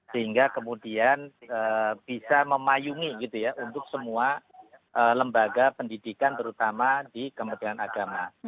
sehingga kemudian bisa memayungi gitu ya untuk semua lembaga pendidikan terutama di kementerian agama